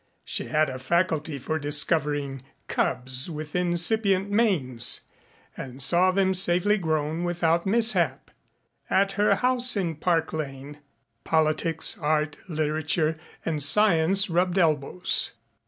She had a faculty for discovering cubs with incipient manes and saw them safely grown without mishap. At her house in Park Lane, politics, art, literature, and science rubbed elbows.